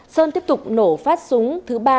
sơn tiếp tục nổ phát súng thứ ba